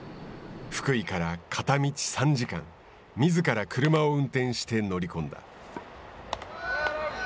福井から片道３時間みずから車を運転して乗り込んだ。